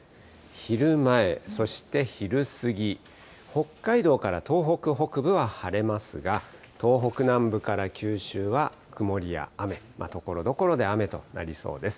昼前、そして昼過ぎ、北海道から東北北部は晴れますが、東北南部から九州は曇りや雨、ところどころで雨となりそうです。